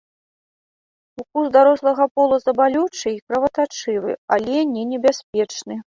Укус дарослага полаза балючы і кроватачывы, але не небяспечны.